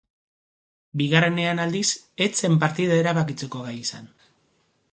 Bigarrenean, aldiz, ez zen partida erabakitzeko gai izan.